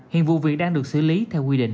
hiện vụ việc đang được xử lý theo quy định